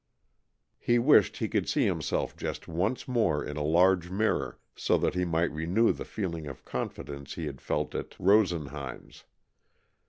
He wished he could see himself just once more in a large mirror, so that he might renew the feeling of confidence he had felt at Rosenheim's.